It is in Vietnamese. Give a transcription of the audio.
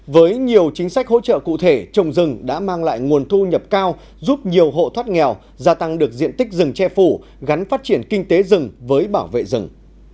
với nhiều chính sách hỗ trợ cụ thể trồng rừng đã mang lại nguồn thu nhập cao giúp nhiều hộ thoát nghèo gia tăng được diện tích rừng che phủ gắn phát triển kinh tế rừng với bảo vệ rừng